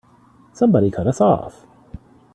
Somebody cut us off!